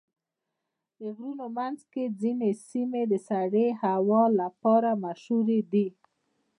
د غرونو منځ کې ځینې سیمې د سړې هوا لپاره مشهوره دي.